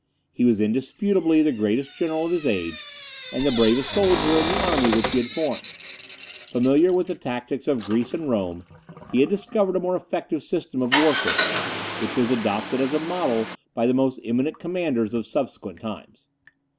He was indisputably the greatest general of his age, and the bravest soldier in the army which he had formed. Familiar with the tactics of Greece and Rome, he had discovered a more effective system of warfare, which was adopted as a model by the most eminent commanders of subsequent times.